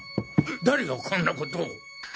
誰がこんな事を。